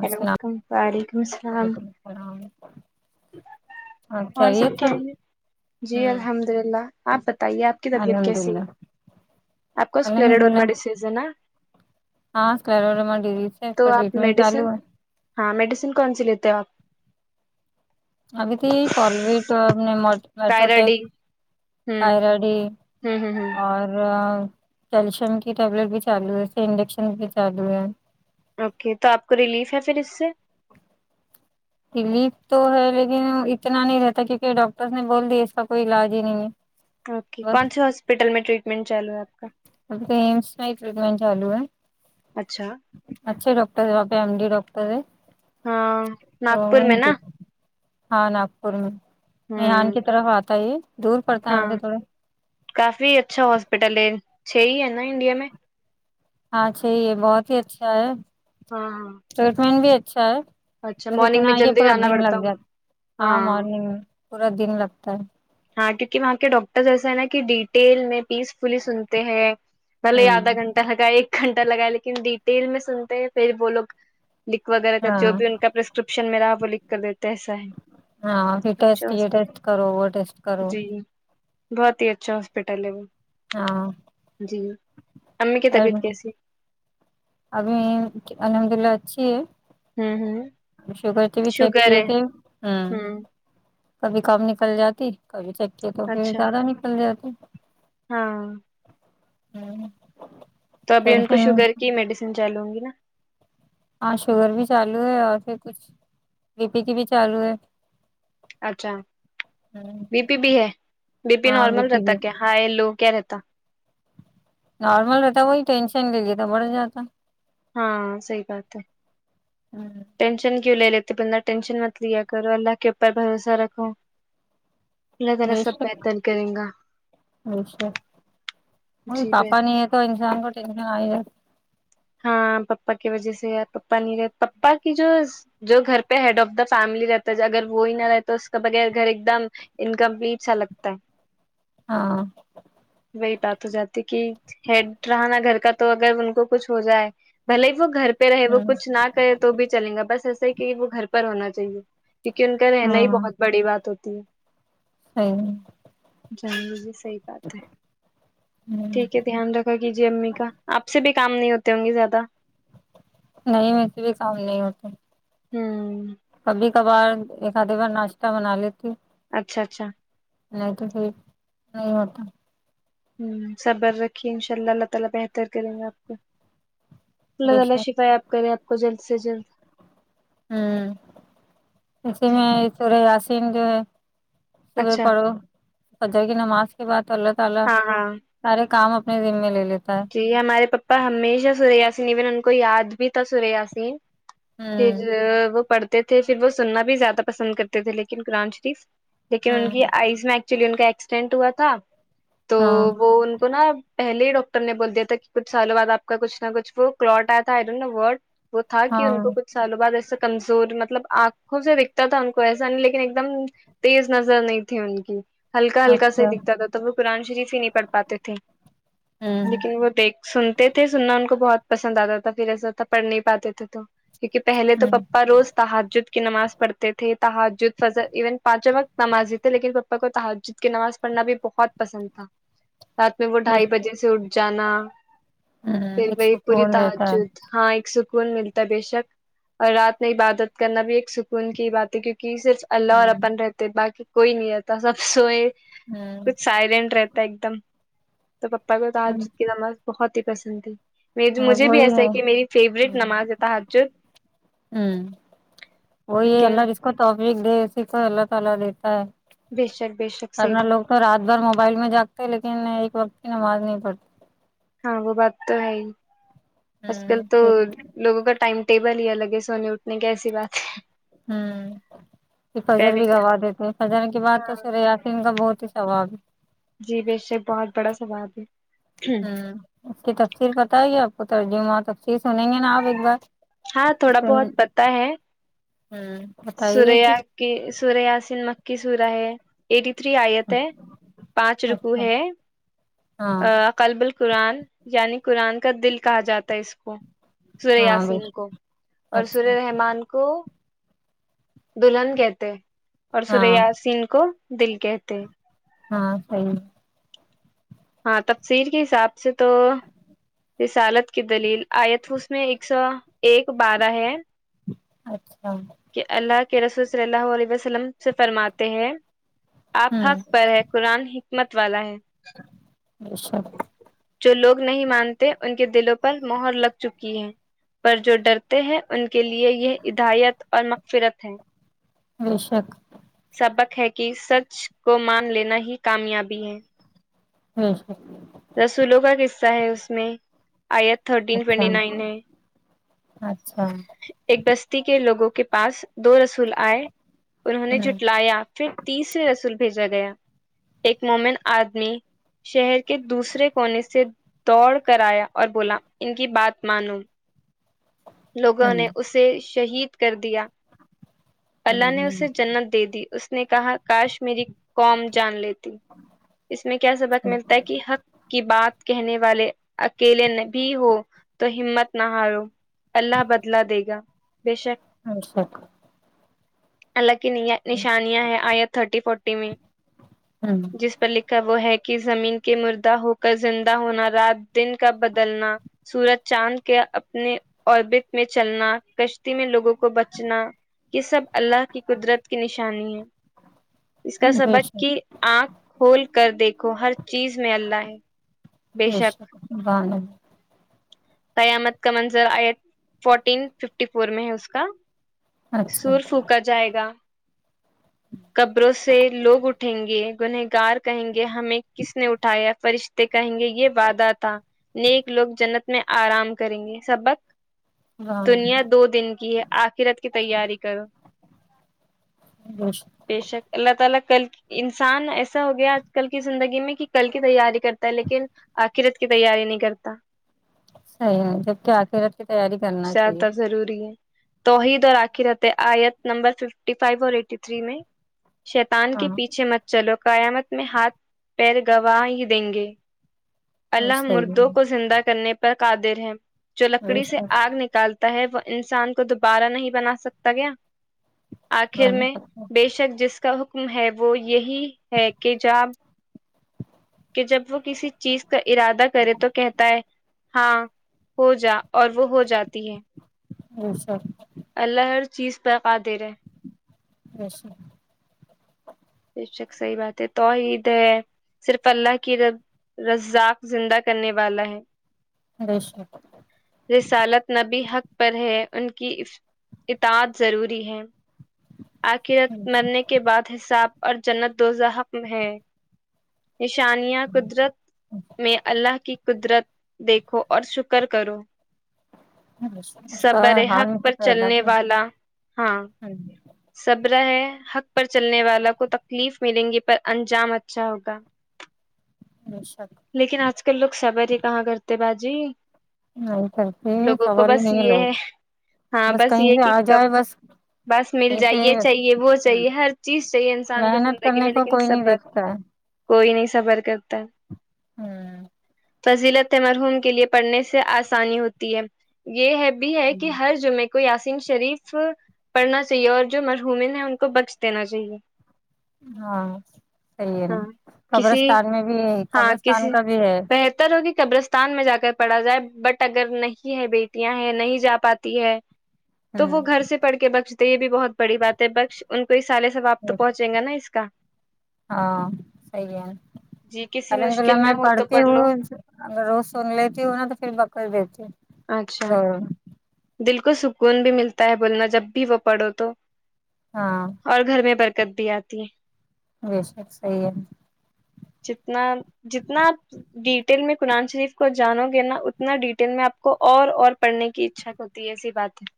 hello کم وعلیکم السلام اور ہاں ہاں اور چاہیے سب تھا خیریت جی الحمد للہ آپ بتائیے آپ کی طبیعت الحمد کیسی ہے للہ آپ کو اسلر الحمد وڈر للہ میں ڈیزیز ہے نا ہاں اسلر وڈر میں ڈیزیز ہے اس تو کا آپ ٹریٹمنٹ میڈیسن چالو ہے ہاں میڈیسن کون سی لیتے ہو آپ ابھی تو کال وٹ مٹوٹییک تائرڈی ہوں کائرڈی ہوں ہوں ہوں اور کیلشیم کی ٹیبلیٹ بھی چالو ہے اس کے انجکشن بھی چالو ہے اوکے تو آپ کو ریلیف ہے پھر اس سے ریلیف تو ہے لیکن اتنا نہیں رہتا کیونکہ ڈاکٹرس نے بول دی اس کا کوئی علاج ہی نہیں ہے اوکے بس کون سے ہاسپٹل میں ٹریٹمنٹ چالو ہے آپ کا اب تو ایمس میں ٹریٹمنٹ چالو ہے اچھا اچھے ڈاکٹر ہے ایم ڈی ڈاکٹر ہے ہاں تو ناگپور میں وہیں پے نا ہاں ناگپور میں ہوں میحان کی طرف آتا یہ دور پڑتا ہے ہاں مگر تھوڑا کافی اچھا ہاسپٹل ہے چھ ہی ہے نا انڈیا میں ہاں چھ ہی ہے بہت ہی اچھا ہے ہاں ٹریٹمنٹ بھی اچھا ہے اچھا بس مارننگ میں اتنا ہے جلدی پورا جانا دن پڑتا لگ جاتا ہوگا ہاں مارننگ میں پورا دن لگتا ہے ہاں کیونکہ وہاں کے ڈاکٹرس ایسے ہے نا کہ ڈیٹیل میں پیس فلی سنتے ہیں بھلے آدھا ہوں گھنٹہ لگایا ایک گھنٹہ لگایا لیکن ڈیٹیل میں سنتے ہیں پھر وہ لوگ لک وغیرہ کا ہاں جو بھی ان کا پرسکرپشن میں رہا ہے وہ لکھ کر دیتا ایسا ہے ہاں پھر ٹیسٹ اچھا یہ ٹیسٹ کرو وہ ٹیسٹ کرو جی بہت ہی اچھا ہاسپٹل ہے وہ ہاں جی امی کی طبیعت کیسی ہے ابھی الحمد اللہ اچھی ہے ہوں ہوں sugar B P check sugar کیے ہے تھے ہاں ہوں کبھی کم نکل جاتی کبھی چیک کئے تو پھر اچھا زیادہ نکل جاتی ہاں [unintelligible] تو ابھی ان کو ٹینشن شوگر کی میڈیسن چالو ہوں گی نا ہاں شوگر بھی چالو ہے اور پھر کچھ بی پی کی بھی چالو ہے اچھا بی پی بھی ہے بی پی نارمل رہتا کیا ہائی لو کیا رہتا نارمل رہتا وہی ٹینشن لے لیے تو بڑھ جاتا ہاں صحیح بات ہے ہوں ٹینشن کیوں لے لیتے بندہ ٹینشن مت لیا کرو اللہ کے اوپر بھروسہ رکھو اللہ تعالی بے سب شک بہتر کرے گا وہ جی ب پاپا نہیں ہے تو انسان کو ٹینشن آ ہی جاتی ہاں پپا کی وجہ سے یار پپا نہیں رہے پپا کی جو جو گھر پہ ہیڈ آف دا فیملی رہتا ہے اگر وہی نہ رہتا اس کے بغیر گھر ایک دم انکمپلیٹ سا لگتا ہے ہاں وہی بات تو زیادتی کی ہیڈ رہا نا گھر کا تو اگر ان کو کچھ ہو جائے بھلے ہی وہ گھر پہ پہ رہے وہ کچھ نہ کرے تو بھی چلیں گا بس ایسا ہی کہ وہ گھر پر ہونا چاہیے کیونکہ ان کا رہنا ہی ہاں بہت بڑی بات ہوتی ہے صحیح جان لیے صحیح بات ہے ٹھیک ہے دھیان رکھا کیجیے امی کا آپ سے بھی کام نہیں ہوتے ہوں گے زیادہ نہیں میرے سے بھی کام نہیں ہوتے ہوں ابھی کبار ایک ادے بار ناشتہ بنا لیتی اچھا اچھا نہیں تو پھر نہیں ہوتا صبر رکھیے انشاء اللہ اللہ تعالی بہتر کریں گا آپ کو اللہ بے شک تعالی شفا یاب کریے آپ کو جلد سے جلد ہوں اسی میں سورے یسین جو ہے صبح اچھا پڑھو فجر کی نماز کے بعد اللہ تعالی ہاں ہاں سارے کام اپنے زمے لے لے جی ہمارے پپا ہمیشہ سورہ یسین ایون ان کو یاد بھی تھا سوره یسین ہمم پجر وہ پڑھ تھے پھر وہ سننا بھی زیادہ پسند کرتے تھے لیکن قرآن شریف لیکن ان ہوں کی آئز نہ اکچولی ان کا ایکسڈینٹ ہوا تھا تو ہاں وہ ان کو نا پہلے ڈاک کٹر نے بول دیا تھا کہچھ سالوں بعد آپ کا کھ نہ کچ وہ کلٹ آیا تھا آئی ڈونٹ نو وورڈ وہ تھا کہ ان ہاں کو کچھ سالوں بعد ایسا کمزور مطلب آنکھوں سے دکھتا تھا ان کو ایسا نہیں لیکن ایک دم تیز نظر نہیں تھی ان کی ہلکا ہلکا اچھا ساہی ہوں دکھتا تھا تب وہ قرآن شریف ہی نہیں پڑھ پاتے تھے لیکن وہ دیکھ سنتے تھے سننا ان کو بہت پسند آتا تھا پھر ایسا تھا پڑھ نہیں پاتے تھے تو کیونکہ پہلے تو ہوں پپا روز تہجد کی نماز پڑھتے تھے تہجد فجر ایون پانچوں وقت نمازی تھے لیکن پپا کو تہجد کی نماز پڑھنا بھی بہت پسند تھا رات میں وہ ایک ڈھائی بجے سے اٹھ جانا ہوں پھر ایک وہی پوری سکون رہتا ہے تہجد ہاں ایک سکون ملتا بے شک اور رات میں عبادت کرنا بھی ایک سکون کی بات ہے کیونکہ صرف اللہ اور ہوں اپن رہتے باقی کوئی نہیں رہتا سب سوئے کچھ سائلینٹ رہتا ہے ایک دم تو پپا کو تہ ہوں جد کی نماز بہت ہی پسند تھی مے اور مجھے بھی وہی ایسا ہے کہ میری فیورٹ نماز ہے ہوں تہجد وہی اللہ جس کو توفیق دے اسی کو اللہ تعالی دیتا ہے بے شک بے شک صحیح ورنہ بات لوگ تو رات بھر موبائل میں جاگتے لیکن ایک وقت کی نماز نہیں پڑھتے ہاں وہ بات تو ہے ہی آج کل تو لوگوں کا ٹائم ٹیبل ہی الگ ہے سونے اٹھنے کی ایسی بات ہے ہوں پھر فجر پہلے بھی کیا گوا دیتے فجر کے بعد تو ہاں سورہ یسین ان کا بہت ہی ثواب ہے جی یے شک بہت بڑا ثواب ہے ہے ہوں اس کی تفصیر پتا ہے گ آپ کو ترجمہ تفصیر سنیں گے نا آپ ایک بار ہاں تھوڑا سن بہت پتا ہے ہوں بتائیے سوریا پھر کی سورہ یسین مکی سورہ ہے ایٹی تھری آیت ہے پانچ رکوع اچھا ہے ہاں ا قلبل قرآن یعنی قرآن کا دل کہا جاتا ہے اس کو سورہ ہاں ب یسین کو اور اچھا سورہ رحمان کو دلہن کہتے اور سورہ ہاں یسین کو دل کہتے ہاں صحیح ہاں تفسیر کے حساب سے تو رسالت کی دلیل آیت اس میں ایک سو ایک بارہ ہے اچھا کہ اللہ کے رسول صلی اللہ علیہ وسلم سے فرماتے ہیں آپ ہوں حق پر ہے قرآن حکمت والا ہے [unintelligible] جو لوگ نہیں مانتے ان کے دلوں پر موہر لگ چکی ہے پر جو ڈر تے ہیں ان کے لیے یہ ہدایت اور مغفرت ہے یے شک سبق ہے کہ سچ کو مان لینا ہی کامیابی ہے بے شک رسولوں کا قصہ ہے اس میں آیت تھرٹین ٹوینٹی اچھا نائن میں اچھا ایک بستی کے لوگوں کے پاس دو رسول آئے انہوں نے جھوٹ لیا پھر تیسرے رسول بھیجا گیا ایک مومن آدمی شہر کے دوسرے کونے سے دوڑ کر آیا اور بولا ان کی بات مانو لوگوں ہوں نے اسے شہید کر دیا اللہ نے ہوں اسے جنت دے دی اس نے کہا کاش میری قوم جان لیتی اس میں کیا سبق ہوں ملتا ہے کہ حق کی بات کہنے والے اکیلے نہ بھی ہو تو ہمت نہ ہارو اللہ بدلا دے گا بے شک ہم سب اللہ کی نیا نشانیاں ہے آیت تھرٹی فورٹی میں ہوں جس پر لکھا وہ ہے کہ زمین کے مردا ہو کا زندہ ہونا رات دن کا بدلنا سورج چاند کے اپنے اوربٹ میں چلنا کشتی میں لوگوں کو بچنا یہ سب اللہ کی قدرت کی نشانی ہے اس کا بے سبق کی شک آنکھ کھول کر دیکھو ہر چیز میں اللہ ہے بے شک ا [unintelligible] قیامت کا منظر آئی فورٹین ففٹی فور میں ہے اس کا اچھا سرف کا جائے گا قبروں سے لوگ اٹھیں گے گنہگار کہیں گے ہمیں کس نے اٹھایا فرشہ تے کہیں گے یہ وعدہ تھا نیک لوگ جنت میں آرام کریں گے سبق بان دنیا دو دن کی ہے آخرت کی تیاری کرو بے شک بے شک اللہ تعالی کل انسان ایسا ہو گیا آج کل کی زندگی میں کہ کل کی تیاری کرتا ہے لیکن آخرت کی تیاری نہیں کرتا صحیح ہے جب کہ آخرت کی تیاری کرنا چاہیے زیادہ ضروری ہے توحید اور آخرت ہے آیت نمبر ففٹی فائیو اور ایٹی تھری میں شیطان کے ہاں پیچھے مت چلو قیامت میں ہاتھ پیر گواہ ہی دیں گے وہ اللہ صحیح ہے مردوں کو زندہ کرنے پر قادر ہیں جو بے لکڑی سے شک آگ نکالتا ہے وہ انسان کو دوبارہ نہیں بنا سکتا کیا آخر بے میں شک بے شک جس کا حکم ہے وہ یہی ہے کہ جاب کہ جب وہ کسی چیز کا ارادہ کرے تو کہتا ہے ہاں ہو جا اور وہ ہو جاتی ہے ایسا اللہ ہر چیز پے قدر ہے ایسا بے شک صحیح بات ہے توحید ہے صرف اللہ کی رب رزاق زندہ کرنے والا ہے بے شک رسالت نبی حق پر ہے ان کی اف اطاعت ضروری ہے اخرت بے شک مرنے کے بعد حساب اور جنت دوزحقم ہے نشانیہ قدرت میں اللہ کی قدرت دیکھو اور شکر کرو اس کا صبر ہار حق میں سے پر پیدا چلنے کر والا ہاں بے صبرہ ہے حق پر چلنے والا کو تکلیف ملیں گی پر انجام اچھا ہوگا بے شک لیکن آج کل لوگ صبر ہی کہاں کرتے باجی نہیں کرتے لوگوں کو صبر ہی بس نہیں یہ لوگ ہے ہاں بس کہیں یہ سے کہ آ کب جائے بس بس مل کہیں سے جائیے بس چاہیے وہ چاہیے ہر چیز چاہیے انسان کو محنت زندگی کرنے میں کو لیکن کوئی نہیں صبر دیکھتا ہے کوئی نہیں سفر کرتا ہوں فضیلت مرحوم کے لیے پڑھنے سے آسانی ہوتی ہے یہ ہے بھی ہے کہ ہر جمعے کو یاسین شریف پڑھنا چاہیے اور جو مرحومن ہیں ان کو بخش دینا چاہیے ہاں صحیح ہے نا ہاں کسی قبرستان میں بھی ہاں قبرستان کسی کا بھی ہے بہتر ہو کہ قبرستان میں جا کر پڑھا جائے بٹ اگر نہیں ہے بیٹیاں ہیں نہیں جا پاتی ہے تو وہ گھر ہ سے پڑھ کے بخشتے یہ بھی بہت بڑی بات ہے بخش ان کو اس سالے ثواب تو پہنچیں گا نا اس کا ہاں صحیح ہے جی کسی الحمدللہ مشکل میں ہو تو پڑھتی پڑھ لو ہوں اگر روز سن لیتی ہو نا تو پھر بخش دیتی اچھا ہوں دل کو سکون بھی ملتا ہے بولنا جب بھی وہ پڑھو تو ہاں اور گھر میں برکت بھی آتی ہے بے شک صحیح ہے جتنا جتنا ڈیٹیل میں قرآن شریف کو جانو گے نا اتنا ڈیٹیل میں آپ کو اور اور پڑھنے کی اچھا ہوتی ہے ایسی بات ہے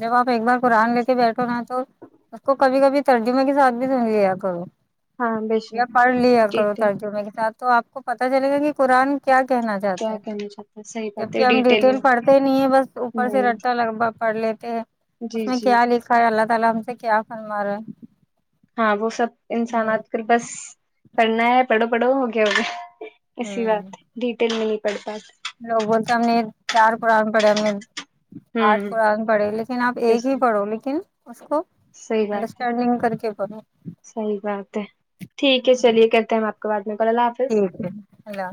جب آپ ایک بار قرآن لیتے بیٹھو نا تو اس کو کبھی کبھی ترجمہ کے ساتھ بھی سن لیا کر ہے ہاں بے شک یا پڑھ لیا کرو ڈیٹیل ترجمے کے ساتھ تو آپ کو پتہ چلے گا کہ قرآن کیا کہنا چاتتا کیا ہے کہنا چاہتا ہے صحیح بات جبک ہے ہم ڈیٹیل میں پڑھتے نہیں ہے بس اوپر سے ہمم رٹتا لگ با پڑھ لیتے ہیں جی اس میں جی کیا لکھا ہے اللہ تعالی ہم سے کیا فرما رہا ہے ہاں وہ سب انسان آج کل بس پڑھنا ہے پڑھو پڑھو ہو گیا ہو گیا ایسی ہ بات ہے ڈیٹیل میں نہیں پڑھ پاتے لوگ بولتے ہم نے چار قرآن پڑھے ہم نے آٹھ ہمم قرآن پڑھے لیکن آپ ایک ہی پڑھو لیکن اس کو صحیح بات ہے انڈرسٹینڈنگ کر کے پڑھو صحیح بات ہے ٹھیک ہے چلیے کرتے ہیں ہم آپ کو بعد میں کال الله حافظ ٹھیک ہے اللہ